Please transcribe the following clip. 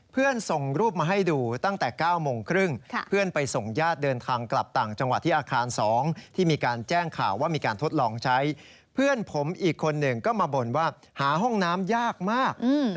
เพื่อนผมอีกคนหนึ่งก็มาบ่นว่าหาห้องน้ำยากมาก